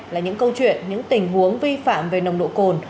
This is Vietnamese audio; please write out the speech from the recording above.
là những câu chuyện những tình huống vi phạm về nồng độ cồn